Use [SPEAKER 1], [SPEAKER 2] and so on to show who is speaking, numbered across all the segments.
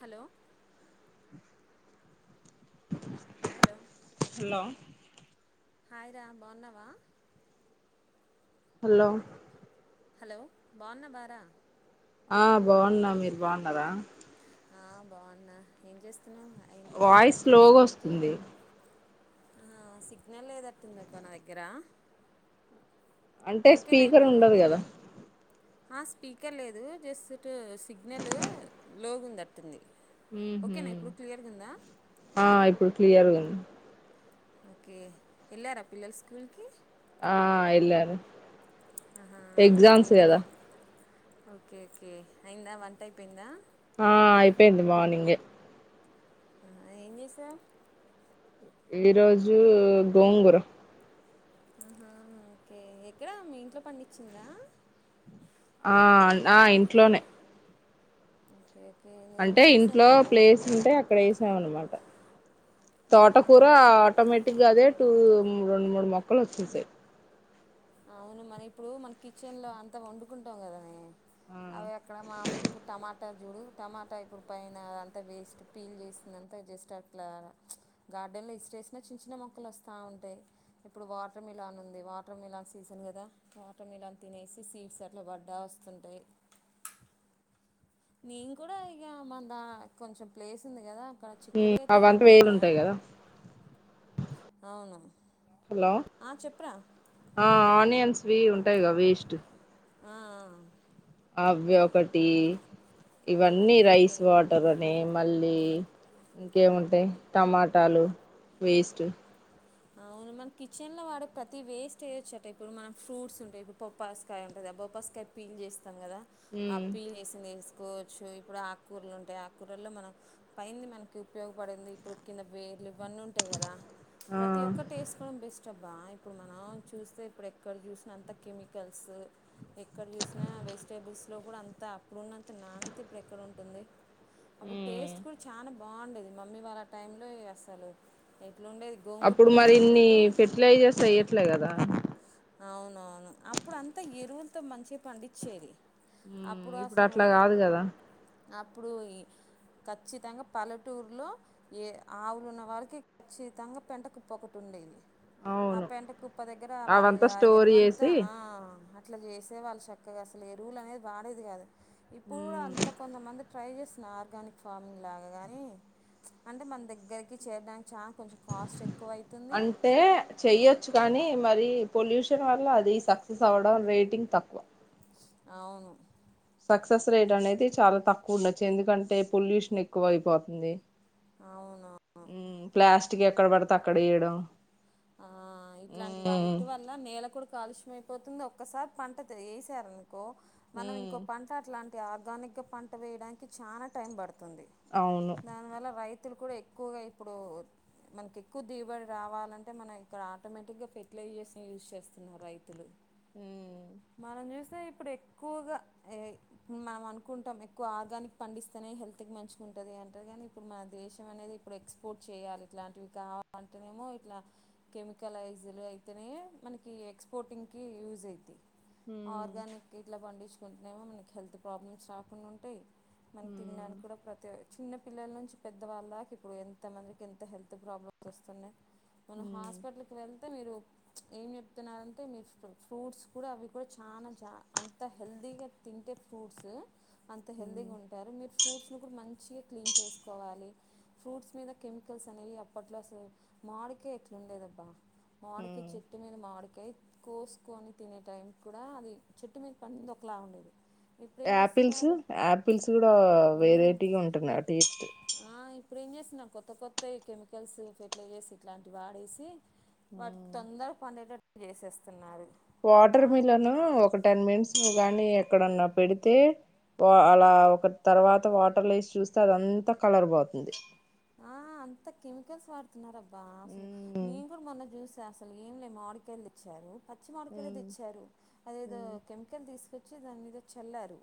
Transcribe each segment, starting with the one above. [SPEAKER 1] Hello hello
[SPEAKER 2] hello
[SPEAKER 1] hi రా బావున్నావా
[SPEAKER 2] hello
[SPEAKER 1] hello బావున్నవార
[SPEAKER 2] ఆ బావున్న మీరు బాగున్నారా
[SPEAKER 1] ఆ బావున్నా ఏం చేస్
[SPEAKER 2] వాయిస్ స్లోగా ఓస్తుంది
[SPEAKER 1] ఆ సిగ్నల్ లేనట్టుందబ్బ నా దగ్గర
[SPEAKER 2] అంటే
[SPEAKER 1] ఓకేనా
[SPEAKER 2] స్పీకర్
[SPEAKER 1] ఇప్పుడు
[SPEAKER 2] ఉండదు కదా
[SPEAKER 1] ఆ స్పీకర్ లేదు జస్ట్ ఇటు సిగ్నల్ లోగుణట్టుంది
[SPEAKER 2] ఉహు ఆ ఇప్పుడు క్లియర్గా ఉంది
[SPEAKER 1] ఓకే ఎళ్ళారా పిల్లలు స్కూలుకి
[SPEAKER 2] ఆ ఎల్లారు
[SPEAKER 1] ఆహా ఏంటి వ ఓకే కే అయిందా వంట అయిపోయిందా
[SPEAKER 2] ఆ అయిపోయింది మార్నింగె
[SPEAKER 1] ఆ ఏం చేసావ్
[SPEAKER 2] ఈరోజు గోంగూర
[SPEAKER 1] ఆహ ఓకే ఎక్కడ మీ ఇంట్లో పండించిందా
[SPEAKER 2] ఆ ఆ ఇంట్లోనే
[SPEAKER 1] ఓకే ఓకే నేను
[SPEAKER 2] అంటే
[SPEAKER 1] కూడా వేసాను
[SPEAKER 2] ఇంట్లో
[SPEAKER 1] అబ్బా
[SPEAKER 2] ప్లేస్ ఉంటే అక్కడ వేసాం అన్నమాట
[SPEAKER 1] ఆహా
[SPEAKER 2] తోటకూర ఆటోమేటిక్ గా అదే టూ రెండు మూడు మొక్కలు ఒచ్చేసాయి
[SPEAKER 1] అవును మన ఇప్పుడు మన కిచెన్ లో అంతా వండుకుంటాం కదనే అవి అక్కడ మామూలుగా ఇప్పుడు టమా ఇప్పుడు టమాటా ఇప్పుడు పైన అంతా వేస్ట్ పీల్ చేసింత జస్ట్ అట్లా గార్డె మనం వేస్ట్ చేసిన చిన్న చిన్న మొక్కలు అస్త ఉంటాయి ఇప్పుడు వాటర్ మిలన్ ఉంది వాటర్ మిలాన్స్ సీజన్ కదా కటం ఇలాని తినేసి సీడ్స్ అట్లా పడ్డా వస్తుంటాయి నేను కూడా ఇక మ దా కొంచెం ప్లేస్ ఉంది కదా అక్కడ
[SPEAKER 2] ఉమ్
[SPEAKER 1] చిక్కుడుగా తీగ
[SPEAKER 2] అవంటా
[SPEAKER 1] పెట్టా
[SPEAKER 2] వేలుంటాయి కదా
[SPEAKER 1] అవును
[SPEAKER 2] హలో
[SPEAKER 1] ఆ చెప్పురా
[SPEAKER 2] ఆ ఆనియన్ స్వి ఉంటాయిగా వేస్ట్
[SPEAKER 1] ఆ ఆ ఆ
[SPEAKER 2] అవ్వి ఒకటి ఇవన్నీ
[SPEAKER 1] ఓకే
[SPEAKER 2] రైస్ వాటరనీ మళ్ళీ ఇంకేముంటాయి టమాటాలు వేస్ట్
[SPEAKER 1] అవున్ మన కిచెన్ లో వాడే ప్రతి వేస్ట్ ఎయోచట ఇప్పుడునం ఫ్రూట్స్ ఉంటాయి ఇప్పుడు బొప్పాస్కాయ ఉంటుది బొప్పస్కాయ్ పీల్ చేస్తాం కదా ఆ
[SPEAKER 2] ఉమ్
[SPEAKER 1] పీల్ చేసింది ఎస్ కోవచ్చు ఇప్పుడు ఆకుకూరలు ఉంటాయి ఆకూరల్లో మనం పైన మనకి ఉపయోగపడింది ఇప్పుడు కింద వే నీ ఇవన్నీ ఉంటాయి కదా
[SPEAKER 2] ఆ
[SPEAKER 1] ప్రతి ఒక్కటి వేసుకోవడం బెస్ట్ అబ్ ఆ ఇప్పుడు మనం చూస్తే ఇప్పుడు ఎక్కడ చూసినా అంత కెమికల్స్ ఎక్కడ చూసినా వేస్ వెజిటేబుల్స్ లో కూడా అంత అప్పుడున్నంత నానైతే ఇప్పుడు ఎక్కడ ఉంటుంది అప్పుడు
[SPEAKER 2] ఉమ్
[SPEAKER 1] టేస్ట్ కూడా చానా బాగుండేది మమ్మీ వాళ్ళ టైమ్ లో ఇగ అసలు ఎట్లా ఉండేది
[SPEAKER 2] అప్పుడు మరి ఇన్ని ఫెర్టిలైజర్స్ ఏయ్యట్లే కదా
[SPEAKER 1] అవునవును అప్పుడు అంతా ఎరువులతో మంచిగా పండించేది
[SPEAKER 2] ఉ
[SPEAKER 1] అప్పుడు
[SPEAKER 2] ఇప్పుడు
[SPEAKER 1] అసలు
[SPEAKER 2] అట్లా కాదు కదా
[SPEAKER 1] అప్పుడు ఈ ఖచ్చితంగా పల్లెటూరులో ఏ ఆవులు ఉన్న వారికి ఖచ్చితంగా పెంట కుప్ప ఒకటి ఉండేది ఆ
[SPEAKER 2] అవును
[SPEAKER 1] పెంట కుప్ప దగ్గర వాళ్ళు
[SPEAKER 2] అవంతా
[SPEAKER 1] య
[SPEAKER 2] స్టోర్
[SPEAKER 1] ఎరువంతా
[SPEAKER 2] చేసి
[SPEAKER 1] ఆ అట్లా చేసే వాళ్ళు చక్కగా అసలు ఎరువులు అనేది వాడేది కాదు ఇప్పుడు కూడా
[SPEAKER 2] ఉమ్
[SPEAKER 1] అంత కొంతమంది ట్రై చేస్తున్నా ఆర్గానిక్ ఫార్మింగ్ లాగా గాని అంటే మన దగ్గరికి చేయడాన్
[SPEAKER 2] అంటే చెయ్యొచ్చు కానీ పది పొల్యూషన్ వల్ల అది సక్సెస్ అవ్వడం రేటింగ్ తక్కువ
[SPEAKER 1] అవును
[SPEAKER 2] సక్సెస్ రేట్ అనేది చాలా తక్కువ ఉండచ్చు ఎందుకంటే పొల్యూషన్ ఎక్కువ అయిపోతుంది
[SPEAKER 1] అవును
[SPEAKER 2] ఉ ప్లాస్టిక్ ఎక్కడ పడతే అక్కడ వేయడం
[SPEAKER 1] ఆ ఇలాంటి
[SPEAKER 2] మ్మ్
[SPEAKER 1] వాటి వల్ల నేల కూడా కాలుష్యమయి పోతుంది ఒక్కసారి పంట ఏసారు అనుకో మనం
[SPEAKER 2] మ్మ్
[SPEAKER 1] ఇంకో పంట అట్లాంటి తే ఆర్గానిక్ గా పంట వేయడానికి చాలా టైం పడుతుంది
[SPEAKER 2] అవును
[SPEAKER 1] దానివల్ల రై తులు కూడా ఎక్కువగా ఇప్పుడు మనకి ఎక్కువ దిగుబడి రావాలం అంటే మనం ఇక్కడ ఆటోమేటిక్ గా ఫెర్టిలైజర్స్ యూజ్ చేస్తున్నారు రైతులు
[SPEAKER 2] మ్మ్
[SPEAKER 1] మనం చూస్తే ఏప్ ఇప్పుడు ఎక్కువగా ఏయ్ మనం అనుకుంటాం ఎక్కువ ఆర్గానిక్ పండిస్తేనే హెల్త్ కి మంచిగా ఉంటది అంటారు కానీ ఇప్పుడు మన దేశం అనేది ఇప్పుడు ఎక్స్పోర్ట్ చేయాలి ఇట్లాంటివి కావాలంటేనేమో ఇట్లా కెమికలైజ్లు అయితేనే మనకి ఎక్స్పోర్టింగ్కి యూజ్ అయితాయి
[SPEAKER 2] మ్మ్
[SPEAKER 1] ఆర్గానిక్ ఇట్లా పండించుకుంటునేమో మనకి హెల్త్ ప్రాబ్లమ్స్ రాకుండా ఉంటాయి మనం తినడానికి
[SPEAKER 2] మ్మ్
[SPEAKER 1] కూడా ప్రతియ్ చిన్న పిల్లల నుంచి పెద్దవాళ్ళ దాకా ఇప్పుడు ఎంతమందికి ఎంత హెల్త్ ప్రాబ్లమ్స్ వస్తున్నాయి మన
[SPEAKER 2] మ్మ్
[SPEAKER 1] హాస్పిటల్ కి వెళ్తే మీరు ఏం చెప్తున్నారంటే మీరు ఫ్రూ ఫ్రూట్స్ కూడా అవి కూడా చానా జా అంత హెల్తీగా తింటే ఫ్రూట్స్ అంత
[SPEAKER 2] మ్మ్
[SPEAKER 1] హెల్దీగా ఉంటారు మీరు ఫు ఫ్రూట్స్ ను కూడా మంచిగా క్లీన్ చేసుకోవాలి ఫ్రూట్స్ మీద కెమికల్స్ అనేవి అప్పట్లో అసలు మాడి కే ఎట్లాండేది అబ్బా మాడికాయ
[SPEAKER 2] మ్మ్
[SPEAKER 1] చెట్టు మీద మాడి ఏత్ కోసుకొని తినే టైం కూడా అది చెట్టు మీద పండింది ఒకలా ఉండేది ఇప్పుడు ఏం
[SPEAKER 2] యాపిల్స్
[SPEAKER 1] చేస్తున్నారు
[SPEAKER 2] యాపిల్స్ కూడా
[SPEAKER 1] ఉమ్,
[SPEAKER 2] వెరైటీగా ఉంటున్నా ఆ టేస్ట్
[SPEAKER 1] ఆ, ఇప్పుడు ఏం చేస్తున్న కొత్త కొత్తయ్ కెమికల్స్ ఫర్టిలైజర్స్ ఇట్లాంటి వాడేసి వాటికి తొందర పనుగలు చేసేస్తున్నారు దా
[SPEAKER 2] వాటర్ మిలన్ ఒక టెన్ మినిట్స్ గానీ ఎక్కడన్నా పెడితే వా అలా ఒక తరువాత వాటర్లు వేసి చూస్తే అదంతా కలర్ పోతుంది
[SPEAKER 1] ఆ అంత కెమికల్స్ వాడుతున్నారు అబ్బా అసలు
[SPEAKER 2] మ్మ్
[SPEAKER 1] నేను కూడా మొన్న చూసి కా అసలు ఏం లే మాడికాయలు తెచ్చారు పచ్చి మాడికాయలు
[SPEAKER 2] మ్మ్
[SPEAKER 1] తెచ్చారు అది ఏదో కెమికల్ తీసుకొచ్చ చే దాని మీద చల్లారు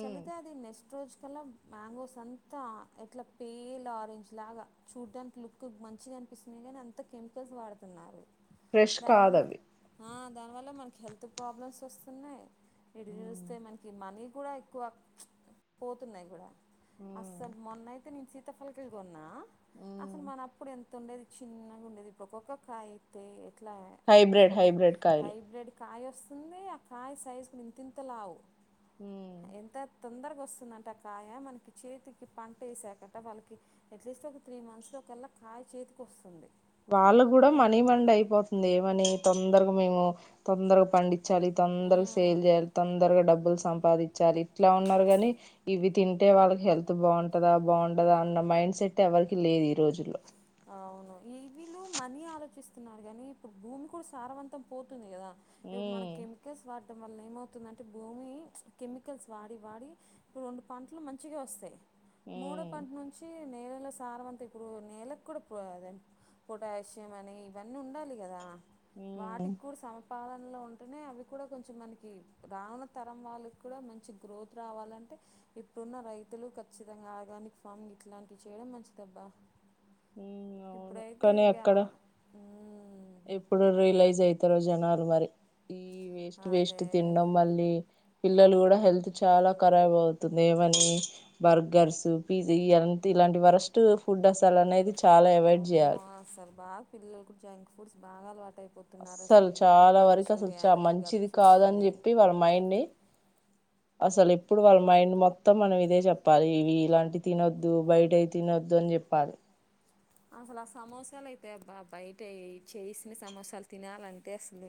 [SPEAKER 1] చల్లుతే అది నెస్ట్ రోజు తలా మ్యాంగోస్ అంతా ఎట్లా పేల్ ఆరెంజ్ లాగా చూడ్డానికి లుక్ మంచిగా అనిపిస్తుతున్నాయి కానీ అంత కెమికల్స్ వాడుతున్నారు
[SPEAKER 2] ఫ్రెష్ కాదు
[SPEAKER 1] దానివల్ల
[SPEAKER 2] అవి
[SPEAKER 1] ఆ దానివల్ల మనకి హెల్త్ ప్రాబ్లమ్స్ వస్తున్నాయి ఇటు
[SPEAKER 2] ఉమ్.
[SPEAKER 1] చూస్తే మనకి మనీ కూడా ఎక్కువ పోతున్నాయి కూడా అసలు మొన్న అయితే నేను సీతాఫలకలు కొన్నా అసలు మన అప్పుడు ఎం తు ఉండేది చిన్నగా ఉండేది ఇప్పుడు ఒక్కొక్క కాయ అయితే ఎట్లా
[SPEAKER 2] హైబ్రిడ్
[SPEAKER 1] చిన్న
[SPEAKER 2] హైబ్రిడ్ కాయలు
[SPEAKER 1] హైబ్రిడ్ కాయ వస్తుంది ఆ కాయ సైజుకు ఇంతంత లావు
[SPEAKER 2] హ
[SPEAKER 1] ఎంత తొందరగా వస్తుందంటే ఆ కాయ మనకి చేతికి పంట వేసాకట వాళ్ళకి ఎట్లీస్ట్ ఒక త్రీ మంత్స్ లో ఒకళ కాయ చేతికి వస్తుంది
[SPEAKER 2] వాళ్ళు కూడా మనీ మం అయిపోతుంది ఏమని తొందరగా మేము తొందరగా పండి చాలలి తొందరగా సేల్ చేయాలి తొందరగా డబ్బుల్స్ సంపాదించాలి ఇట్లా ఉన్నారు కాగానీ ఇవి తింటే వాళ్ళకి హెల్త్ బాగుంటందా బాగుంటదా అన్న మైండ్ మైండ్ సెట్ ఎవరికి లేదు ఈ రోజుల్లో
[SPEAKER 1] అవును ఈ వీళ్ళు మనీ ఆలోచిస్తున్నారు కాగానీ ఇప్పుడు భూమి కూడా సారవంతం పోతుంది కదా
[SPEAKER 2] ఉ
[SPEAKER 1] ఇ మన కెమికల్స్ వా చడటడం వల్ల ఏమవుతుందంటే భూమి కెమికల్స్ వాడి వాడి ఇప్పుడు రెండు పంటలు మంచిగా వస్తాయి మూడో పంట నుంచి నేలలో సారం అంతా ఇప్పుడు నేల పొటాషియం అనే ఇవన్నీ ఉండాలి కదా
[SPEAKER 2] ఉ
[SPEAKER 1] వాటికి కూడా స పాలనలో ఉంటేనే అవి కూడా కొంచెం మనకి రానున్న తరం వాళ్ళకి కూడా మంచి గ్రోత్ రావాలంటే ఇుట్డున్న రైతులు ఖచ్చితంగా ఆర్గానిక్ ఫార్మింగ్ ఇట్లాంటివి చేయడం మంచిదబ్బా ఇప్పుడైతే
[SPEAKER 2] కానీ
[SPEAKER 1] ఇక
[SPEAKER 2] అక్కడ
[SPEAKER 1] ఉ
[SPEAKER 2] ఎప్పుడు రియలైజ్ అవుతారో జనాలు మరి ఈ వేస్ట్ వేస్ట్
[SPEAKER 1] అదేలే
[SPEAKER 2] తిినడం మళ్ళీ పిల్లలు కూడా హెల్త్ చాలా రాబ్ అవుతుంది ఏమని బర్గర్స్ పిజ్జ ఇంత ఇలా లాంటి వరస్ట్ ఫుడ్ అసలు అనేది చాలా అవాయిడ్
[SPEAKER 1] అమ్మ
[SPEAKER 2] చేయాలి
[SPEAKER 1] అసలు బాగా పిల్లలు కూడా జంక్ ఫుడ్స్ బాగా అయిపోతున్నారు
[SPEAKER 2] అస్సలు
[SPEAKER 1] అసలు ఇప్పుడు
[SPEAKER 2] చాలా వరకు అసలు
[SPEAKER 1] మంచూరియా
[SPEAKER 2] చ
[SPEAKER 1] అని గప్
[SPEAKER 2] మంచిది
[SPEAKER 1] చిప్స్
[SPEAKER 2] కాదని
[SPEAKER 1] అని
[SPEAKER 2] చెప్పి వాళ్ళ మైండ్ ని అసలు ఇప్పుడు వాళ్ళ మైండ్ మొత్తం మనం ఇదే చెప్పాలి ఇవి ఇలాంటి తినొద్దు బయట తినొద్దు చెప్పారు
[SPEAKER 1] అసలు ఆ సమోసాలు అయితే అబ్బా బయట చేసిన సమోసాలు తినాలంటే అసలు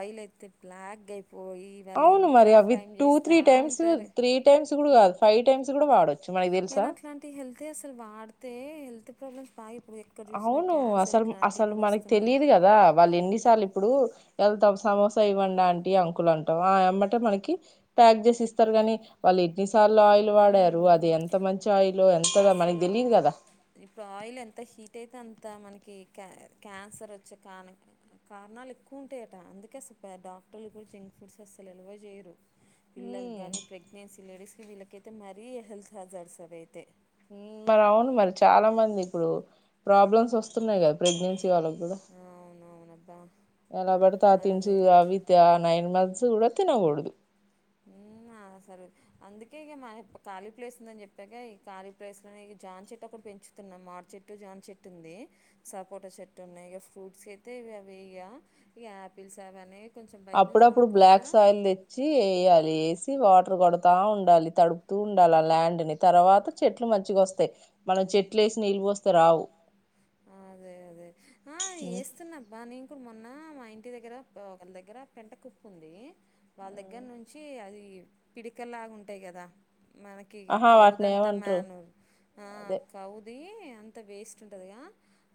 [SPEAKER 1] ఆయిల్ అయితే బ్లాక్ అయిపోయి వాళ్ళు
[SPEAKER 2] అవును మరి
[SPEAKER 1] ఇంకా
[SPEAKER 2] అ
[SPEAKER 1] ఫ్రై
[SPEAKER 2] విత్ టూ
[SPEAKER 1] చేస్తా
[SPEAKER 2] త్రీ టైమ్స్
[SPEAKER 1] ఉంటారు
[SPEAKER 2] త్రీ టైమ్స్ కూడా కాదు ఫైవ్ టైమ్స్ కూడా వాడవచ్చు
[SPEAKER 1] కానీ అట్లాంటి హెల్త్ అసలు వాడితే హెల్త్ ప్రాబ్లమ్స్ బాగా ఇప్పుడు ఎక్కడ చూసినా
[SPEAKER 2] అవును
[SPEAKER 1] క్యాన్సర్
[SPEAKER 2] అసలు
[SPEAKER 1] ఇట్లాంటివి
[SPEAKER 2] అసలు
[SPEAKER 1] కూడా
[SPEAKER 2] మనకు
[SPEAKER 1] వస్తున్నాయి
[SPEAKER 2] తెలిదు కదా వాళ్ళు ఎన్నిసార్లు ఇప్పుడు ఎద త సమోసా ఇవ్వండి ఆంటీ అంకులు అంటాం ఆ ఏమ్మంటే మనకి ప్యాక్ చేసి ఇస్తారు కాని వాళ్ళు ఇన్నిసార్లు ఆయిల్ వాడారు అది
[SPEAKER 1] మ్మ్
[SPEAKER 2] ఎంత మంచి షాయిలో ఎంతగా మనకి
[SPEAKER 1] అస్సలు
[SPEAKER 2] తెలీదు కదా
[SPEAKER 1] అట్టయితే అంత మనకి క క్యాన్సర్ వచ్చే కాణ కారణాలు ఎక్కువ ఉంటాయట అందుకే అసలు డాక్టర్లు కూడా జంక్ ఫుడ్స్ అసలు ఎలువ చేయరు పిల్లలు
[SPEAKER 2] ఉమ్,
[SPEAKER 1] కానీ ప్రెగ్నెన్సీ లేడీస్కి వీళ్ళకైతే మరీ హెల్త్ హాజార్స్ అది అయితే
[SPEAKER 2] మరి అవును మరి చాలా మంది ఇప్పుడు ప్రాబ్లమ్స్ వస్తున్నాయి కదా ప్రెగ్నెన్సీ వు ల
[SPEAKER 1] అవునవునబ్బా
[SPEAKER 2] ఎలా పడుతే ఆ తిసు
[SPEAKER 1] అదే
[SPEAKER 2] అవిత్ ఆ నైన్ మంత్స్ కూడా తినకూడదు
[SPEAKER 1] సరే అందుకే ఇక మా ఖాళీ ప్లేస్ ఉందని చెప్పగాక ఈ ఖాళ ప్లేస్ లో ఇ జాన్ చెట్ కూడా పెంచుతున్నాం మార్చట్ చెట్టు జాన్ చెట్టు ఉంది సపోట చెట్టు ఉన్నాయి ఇక ఫ్రూట్స్ అయితే ఇవి అవి ఇక ఇక యాపిల్స్ అవ అని
[SPEAKER 2] అప్పుడప్పుడు బ్లాక్స్యిల్ తెచ్చి వేయాలి వాటర్ కొడతా ఉండాలి తడుపుతూ ఉండాలి ఆ ల్యాండ్ ని తర్వాత చెట్లు మంచిగా వస్తాయి మన చెట్లు వేసి నీళ్ళి పోస్తే రావు
[SPEAKER 1] అదే అదే ఆ
[SPEAKER 2] ఉమ్.
[SPEAKER 1] వేస్తున్నాప్పా నీ ఇ మొన్న మా ఇంటి దగ్గర ఒకళ దగ్గర పెంట కుప్పు ఉంది
[SPEAKER 2] ఆ,
[SPEAKER 1] వాళ్ళ దగ్గర నుంచి అది పిడికలాగా ఉంటాయి కదా మనకి
[SPEAKER 2] ఆహా
[SPEAKER 1] కౌద
[SPEAKER 2] వాటిని
[SPEAKER 1] అంతా
[SPEAKER 2] ఏమంటారు
[SPEAKER 1] మనూర్ ఆ
[SPEAKER 2] అదే
[SPEAKER 1] కౌది అంత వేస్ట్ ఉంటదిగా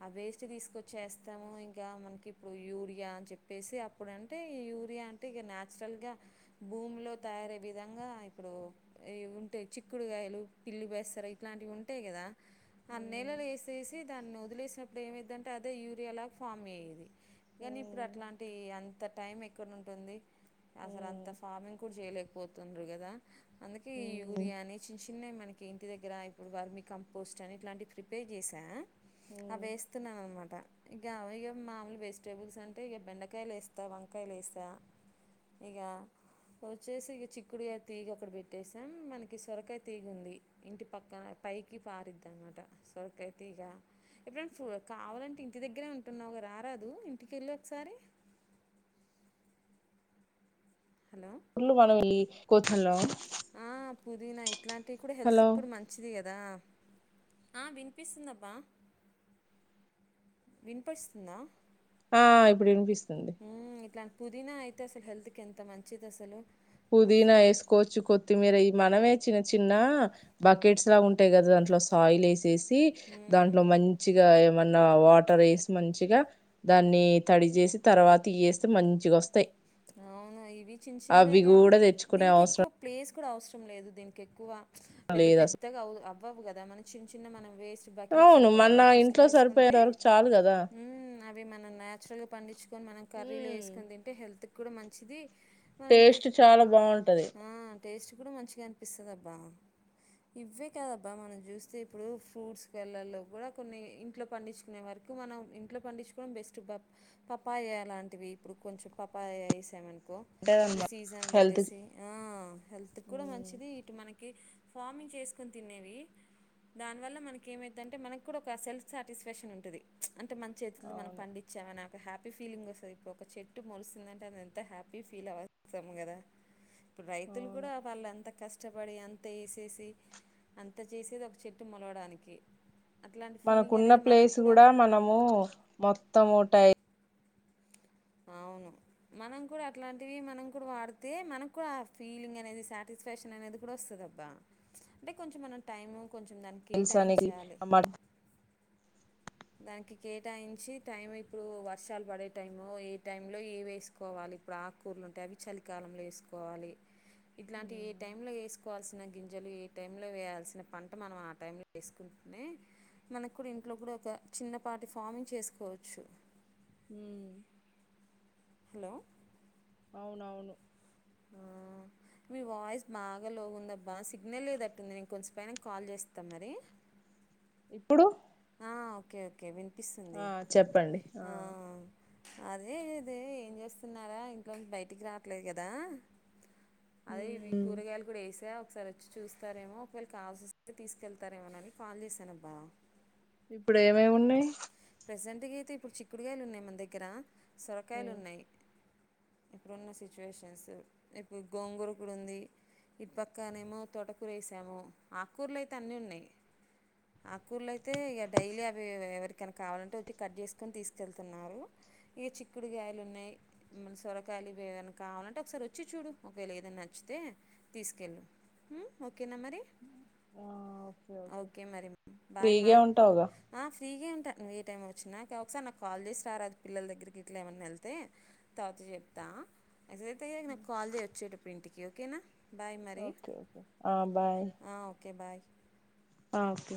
[SPEAKER 1] ఆ వేస్ట్ తీసుకొచ్చేస్తాము ఇంకా మనకి ఇప్పుడు యూరియా అని చెప్పేసి అప్పుడంటే యూరియా అంటే ఇగా నాచురల్ గా భూమి లో తయారే విధంగా ఇప్పుడు ఈ ఉంటే చిక్కుడుగాయలు పిల్లి బేసర ఇట్లాంటివి ఉంటాయి కదా
[SPEAKER 2] ఉమ్,
[SPEAKER 1] అన్నేళ్ళలు వేసేసి దాన్ని వదిలేసినప్పుడు ఏమవుతుంటే అదే యూరియా లాగా ఫామ్ అయ్యేది కాని ఇప్పుడు
[SPEAKER 2] ఉమ్,
[SPEAKER 1] అట్లాంటి అంత టైం ఎక్కడ ఉంటుంది అసలు అంత
[SPEAKER 2] ఉమ్,
[SPEAKER 1] ఫార్మింగ్ కూడా చేయలేకపోతుండ్ర కదా అందుకే ఈ
[SPEAKER 2] ఉమ్,
[SPEAKER 1] యూరియా అని చిన్న చిన్నవి మనకి ఇంటి దగ్గర ఇప్పుడు వర్మి కంపోస్ట్ అని ఇట్లాంటివి ప్రిపేర్ చేసా అవి
[SPEAKER 2] ఉమ్.
[SPEAKER 1] వేస్తున్నా అన్నమాట ఇగా అవే ఇగ మామూలు వెజిటేబుల్స్ అంటే ఇగా బెండకాయలు వేస్తా వంకాయలు వేస్తా ఇగా వచ్చేసి ఇగా చిక్కుడుగాయా తీగ అక్కడ పెట్టేసాం మనకి సొరకాయ తీగ ఉంది ఇంటి పక్కన పైకి పారిద్ది అన్నమాట సొరకాయ తీగ ఎప్పుడన్నా కావాలంటే ఇంటి దగ్గరే ఉంటున్నావు రారాదు ఇంటికెళ్ళి ఒకసారి [unintelligible]
[SPEAKER 2] హలో
[SPEAKER 1] ఆ పుదీనా ఇట్లాంటివి కూడా హెల్త్
[SPEAKER 2] హలో
[SPEAKER 1] కూడా మంచిది కదా ఆ వినిపిస్తుందబ్బా వినిపరుస్తుందా
[SPEAKER 2] ఆ ఇప్పుడు వినిపిస్తుంది
[SPEAKER 1] ఇట్లాంటి పుదీనా అయితే అసలు హెల్త్కి ఎంత మంచిది అసలు
[SPEAKER 2] పుదినా వేసుకోవచ్చు కొత్తిమీర ఈ మనమే చిన్న చిన్న బకెట్స్ లా ఉంటాయి కదా దాంట్లో సాయిల్ వేసేసి దాంట్లో మంచిగా ఏమన్నా వా వాటర్ వేసి మంచిగా దాన్ని తడి చేేసి తర్వాత ఇయ్యి ఏస్తే మంచిగా వస్తాయి
[SPEAKER 1] అవునా ఇవి చిన్న చిన్నగా
[SPEAKER 2] కూడా తెచ్చుకునే
[SPEAKER 1] దీనికి ఎక్కువ
[SPEAKER 2] అవసరం
[SPEAKER 1] ప్లేస్ అవసరం లేదు దీనికి ఎక్కువ పెద్ద
[SPEAKER 2] లేదు అసలు
[SPEAKER 1] పెద్దగా అవ్వవు కదా మన చిన్న చిన్న మన
[SPEAKER 2] అవును మన్న ఇంట్లో సరిపోయే వరకు చాలు కదా
[SPEAKER 1] మ్మ్, అవి మనం న్యాచురల్గా పండించుకొని మనం కర్రీలో
[SPEAKER 2] మ్మ్
[SPEAKER 1] వేసుకొని తింటే హెల్త్కి కూడా మంచిది
[SPEAKER 2] టేస్ట్
[SPEAKER 1] మనకి
[SPEAKER 2] చాలా బాగుంటది
[SPEAKER 1] ఆ! టేస్ట్ కూడా మంచిగా అనిపిస్తదబ్బా ఇవ్వే కాదబ్బా మనం చూస్తే ఇప్పుడు ఫ్రూట్స్ గేళ్లల్లో కూడా కొన్ని ఇంట్లో పండించుకునే వారి ఎక్ మనం ఇంట్లో పండించుకోవడం బెస్ట్ పాపాయ అలాంటివి ఇప్పుడు కొంచెం అది వ్యవసాయం ఇప్పుడు
[SPEAKER 2] ఉంటదన్నమాట
[SPEAKER 1] సీజన్
[SPEAKER 2] హెల్త్
[SPEAKER 1] బట్టేసి ఆ హెల్త్ కూడా
[SPEAKER 2] మ్మ్
[SPEAKER 1] మంచిది ఇటు మనకి ఫార్మింగ్ చేసుకోని తినేవి దాని వల్ల మనకి ఏమైదంటే మనకు కూడా ఒక సెల్ఫ్ సాటిస్ఫాక్షన్ ఉంటది అంటే మంచి చేతులతో మనం
[SPEAKER 2] అవును
[SPEAKER 1] పండించామని ఒక హ్యాపీ ఫీలింగ్ వస్తుంది ఇప్పుడు ఒక చెట్టు మొలిస్తే ఎంత హ్యాపీ ఫీల్ అస్తాము కదా ఇప్పుడు రైతులు
[SPEAKER 2] అవును
[SPEAKER 1] కూడా వాళ్ళ అంత కష్ట కష్టపడి అంత వేసేసి అంత చేసేది ఒక చెట్టు మొలవడానికి అట్లాంటి ఫీలింగ్
[SPEAKER 2] మనకున్న
[SPEAKER 1] అనేది మనం
[SPEAKER 2] ప్లేస్ కూడా మనము మొత్తం టై
[SPEAKER 1] అవును మనం కూడా అట్లాంటివి మనం కూడా వాడితే మనకు కూడా ఆ ఫీలింగ్ అనేది సాటిస్ఫై అనేది వస్తది అబ్బా అంటే కొంచెం మనం టైమ్ కొంచెం దాన్ని
[SPEAKER 2] టైల్స్ అనేది
[SPEAKER 1] కేటాయించయాలి దానికి కేటాయించి టైం ఇప్పుడు వర్షాలు పడే టైం ఏ టై లో ఏవి వేసుకోవాలి ఇప్పుడు ఆకుకూరలు ఉంటాయి అవి చలికాలంలో వేసుకోవాలి ఇట్లాంటివి ఏ
[SPEAKER 2] హ్మ్
[SPEAKER 1] టైంలో వేసుకోవాలి గింజలు ఏ టైంలో వేయాల్సిన పంట మనం ఆ టైంలో వేసుకుంటూనే మనకు కూడా ఇంట్లో కూడా ఒక చిన్నపాటి ఫామింగ్ చేసుకోవచ్చు
[SPEAKER 2] హుమ్
[SPEAKER 1] హలో
[SPEAKER 2] అవునవును
[SPEAKER 1] మీ వాయిస్ బాగా లో ఉందబ్బా సిగ్నల్ లేదట్టుంది నేను కొంచ్చేపైనక కాల్ చేస్తా మరి
[SPEAKER 2] ఇప్పుడు
[SPEAKER 1] ఆ ఓకే ఓకే విన్
[SPEAKER 2] ఆ చెప్పండి ఆ
[SPEAKER 1] అదే ఇది ఏం చేస్తున్నారా ఇంట్లోంచి బయటికి రావట్లేదు కదా అదే ఇవి
[SPEAKER 2] హ్మ్
[SPEAKER 1] కూరగాయలు కూడా వేసా ఒకసారి వచ్చి చూస్తారేమో ఒకవేళకి కావాల్సి వస్తే తీసుకెళ్తారేమోనని కాల్ చేశాను అబ్బా
[SPEAKER 2] ఇప్పుడు ఏమేమున్నాయ్
[SPEAKER 1] ప్రజెంట్గా అయితే ఇప్పుడు చిక్కుడుకాయలు ఉన్నాయి మన దగ్గర సొరకాయలు
[SPEAKER 2] ఉమ్,
[SPEAKER 1] ఉన్నాయి ఇప్పుడున్న సిచ్యువేషన్స్ ఇప్పుడు గోంగురకుడ ఉంది ఇటు పక్కనేమో తోటకూర వేసాము ఆకూర్లు అయితే అన్నీ ఉన్నాయి ఆకూర్ల అయితే ఇగ డైలీ అవి ఎవరిక్ క్కన కావాలంటే వచ్చి కట్ చేసుకొని తీసుకెళ్తున్నారు ఇగ చిక్కుడు గాయలు ఉన్నాయి మ సొరకాయలు ఇవి ఏవైనా కావాలంటే ఒకసారి వచ్చి చూడు ఒకవేలేదనచ్ తె తీసుకెళ్ళు హుమ్ ఓకేనా మరి ఓకే మరి బాయ్ మా
[SPEAKER 2] ఫ్రీగే ఉంటావుగా
[SPEAKER 1] ఆ ఫ్రీగే ఉంటా ఏ టైం వచ్చినా ఒకసారి నాకు కాల్ చేసి రారాదు పిల్లల దగ్గరికి గిట్లా ఏమైన్నా వెళ్తే తర్వాత చెప్తా మే సే జ్ అయితే చెయ్యక్ నాకు కాల్ చేయ్ ఒచ్చేటప్పుడు ఇంటికి ఓకేనా బాయ్ మరి
[SPEAKER 2] ఓకేఓకే ఆ బాయ్
[SPEAKER 1] ఆ, ఓకే బాయ్
[SPEAKER 2] ఆ ఓకే